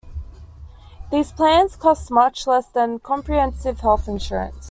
These plans cost much less than comprehensive health insurance.